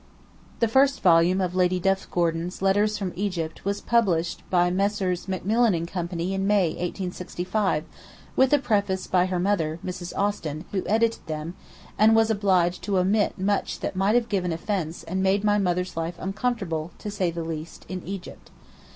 The first volume of Lady Duff Gordon's 'Letters from Egypt' was published by Messrs. Macmillan and Co. in May, 1865, with a preface by her mother, Mrs. Austin, who edited them, and was obliged to omit much that might have given offence and made my mother's life uncomfortable—to say the least—in Egypt.